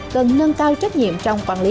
cần nâng cao trách nhiệm trong quản lý